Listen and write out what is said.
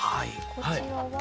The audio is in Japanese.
こちらは？